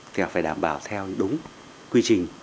thì họ phải đảm bảo theo đúng quy trình